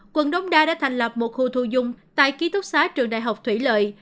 quận đống đa đã thành lập một khu thu dung tại ký túc xá trường đại học thủy lợi